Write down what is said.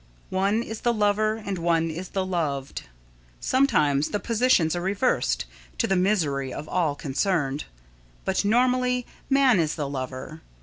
"One is the lover and one is the loved." Sometimes the positions are reversed, to the misery of all concerned, but normally, man is the lover.